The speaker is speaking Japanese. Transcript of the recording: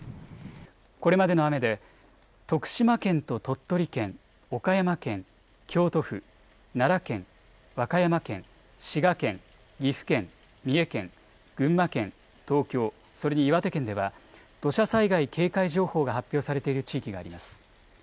これまでの雨で、徳島県と鳥取県、岡山県、京都府、奈良県、和歌山県、滋賀県、岐阜県、三重県、群馬県、東京、それに岩手県では、土砂災害警戒情報が発表されている地域があります。